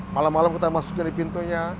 malam malam kita masukin di pintunya